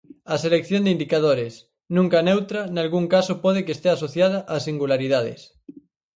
A selección de indicadores, nunca neutra, nalgún caso pode que estea asociada ás singularidades.